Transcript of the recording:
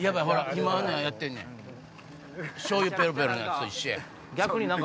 今あんなんやってんねんしょうゆペロペロのヤツと一緒や。